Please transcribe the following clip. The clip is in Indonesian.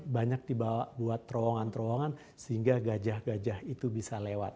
banyak dibawa buat terowongan terowongan sehingga gajah gajah itu bisa lewat